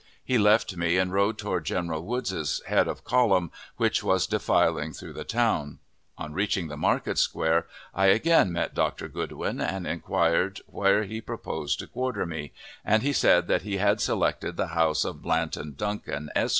He left me and rode toward General Woods's head of column, which was defiling through the town. On reaching the market square, I again met Dr. Goodwin, and inquired where he proposed to quarter me, and he said that he had selected the house of Blanton Duncan, Esq.